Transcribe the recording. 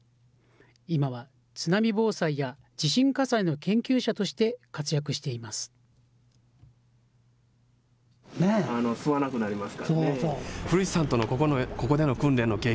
今は津波防災や地震火災の研究者として活躍しています。